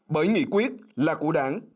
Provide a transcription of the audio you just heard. bởi nghị quyết là của đảng